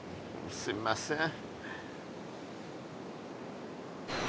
すみません。